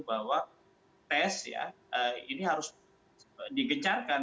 bahwa tes ya ini harus digencarkan